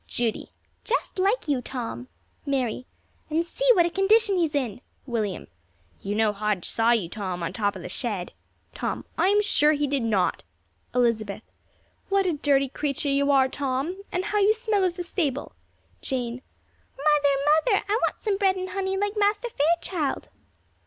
Judy. "Just like you, Tom." Mary. "And see what a condition he is in." William. "You know Hodge saw you, Tom, on the top of the shed." Tom. "I am sure he did not." Elizabeth. "What a dirty creature you are, Tom; and how you smell of the stable!" Jane. "Mother! mother! I want some bread and honey, like Master Fairchild."